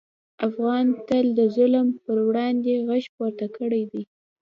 افغان تل د ظلم پر وړاندې غږ پورته کړی دی.